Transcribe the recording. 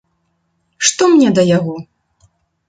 Што мне да яго!